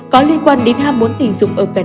có liên quan đến ham muốn tình dục ở canada